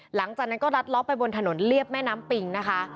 หลังจากนั้นก็รัดล้อไปบนถนนเรียบแม่น้ำปิงนะคะ